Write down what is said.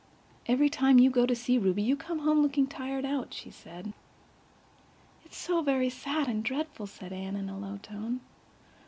"Every time you go to see Ruby you come home looking tired out," she said. "It's so very sad and dreadful," said Anne in a low tone.